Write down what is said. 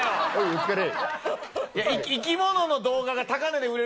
お疲れ